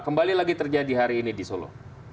kembali lagi terjadi hari ini di solo